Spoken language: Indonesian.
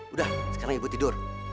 udah sekarang ibu tidur